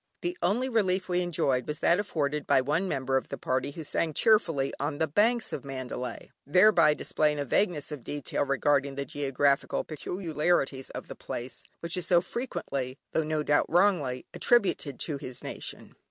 The only relief we enjoyed, was that afforded by one member of the party who sang cheerfully: "On the Banks of Mandalay," thereby displaying a vagueness of detail regarding the geographical peculiarities of the place, which is so frequently (though no doubt wrongly) attributed to his nation.